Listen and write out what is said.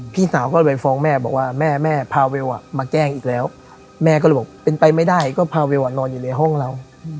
พี่สาวก็เลยฟ้องแม่บอกว่าแม่แม่พาเวลมาแกล้งอีกแล้วแม่ก็เลยบอกเป็นไปไม่ได้ก็พาเวลนอนอยู่ในห้องเรา